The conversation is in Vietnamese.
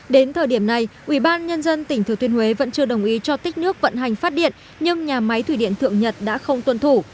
đến thời điểm này ubnd tỉnh thừa thiên huế vẫn chưa đồng ý cho tích nước vận hành phát điện nhưng nhà máy thủy điện thượng nhật đã không tuân thủ